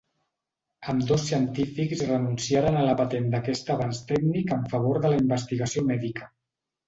Ambdós científics renunciaren a la patent d'aquest avanç tècnic en favor de la investigació mèdica.